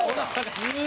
「すごい！」